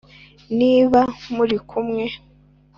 niba muri kumwe,